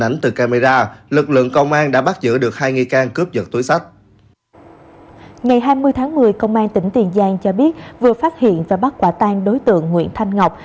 ngày hai mươi tháng một mươi công an tp thủ đức tp hcm cho biết vừa phát hiện và bắt quả tan đối tượng nguyễn thanh ngọc